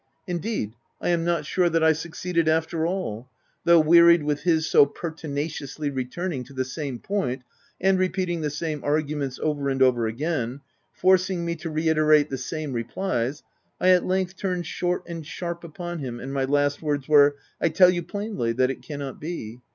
Indeed, I am not 296 THE TENANT. sure that I succeeded after all, though wearied with his so pertinaciously returning to the same point and repeating the same arguments over and over again, forcing me to reiterate the same replies, I at length turned short and sharp upon him, and my last words were — u I tell you plainly, that it cannot be.